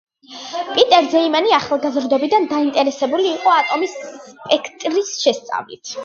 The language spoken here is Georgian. პიტერ ზეემანი ახალგაზრდობიდან დაინტერესებული იყო ატომის სპექტრის შესწავლით.